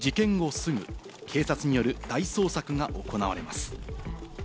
すぐ、警察による大捜索が行われます。